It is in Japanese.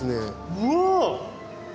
うわ！